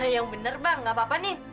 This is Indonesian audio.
yang bener bang gak apa apa nih